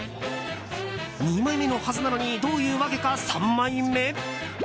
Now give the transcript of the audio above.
二枚目のはずなのにどういうわけか、三枚目？